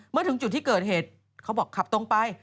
เมื่อถึงจุดที่เกิดเหตุเขาบอกขับตรงไป